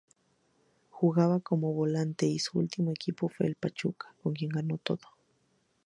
Jugaba como volante y su último equipo fue el Pachuca, con quien ganó todo.